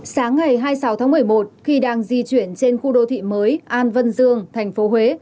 sáng ngày hai mươi sáu tháng một mươi một khi đang di chuyển trên khu đô thị mới an vân dương tp huế